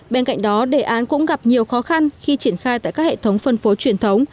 bên cạnh đó đề án cũng gặp nhiều khó khăn khi triển khai tại các hệ thống phân phối truyền thống